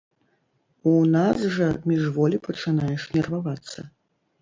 У нас жа міжволі пачынаеш нервавацца.